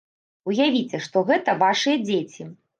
Уявіце, што гэта вашыя дзеці.